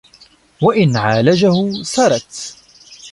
وَإِنْ عَالَجَهُ سَرَتْ